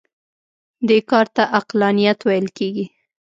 دې کار ته عقلانیت ویل کېږي.